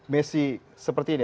mesi seperti ini